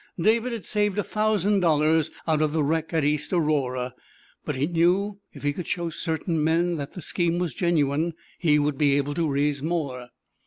David had saved a thousand dollars out of the wreck at East Aurora; but he knew if he could show certain men that the scheme was genuine, he would be able to raise more.